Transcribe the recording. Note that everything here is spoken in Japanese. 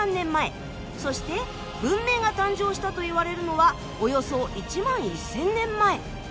そして文明が誕生したといわれるのはおよそ１万１，０００年前。